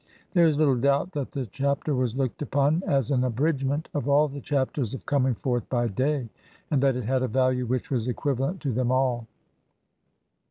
There is little doubt that the Chapter was looked upon as an abridgment of all the "Chapters of coming forth by day", and that it had a value which was equivalent to them all.